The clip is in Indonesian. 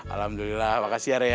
alhamdulillah makasih ya rek ya